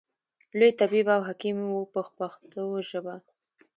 لوی طبیب او حکیم و په پښتو ژبه.